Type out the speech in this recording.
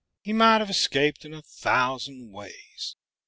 "He might have escaped in a thousand ways.